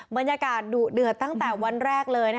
บรรยากาศดุเดือดตั้งแต่วันแรกเลย